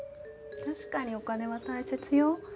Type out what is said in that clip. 確かにお金は大切よ。